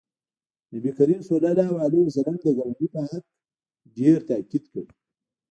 نبي کریم صلی الله علیه وسلم د ګاونډي په حق ډېر تاکید کړی